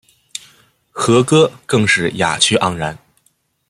和歌更是雅趣盎然。